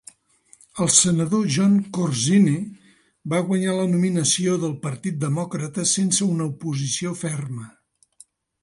El senador Jon Corzine va guanyar la nominació del partir demòcrata sense una oposició ferma.